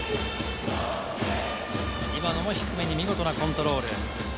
今のも低めに見事なコントロール。